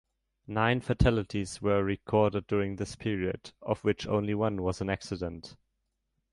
Nine fatalities were recorded during this period, of which only one was an accident.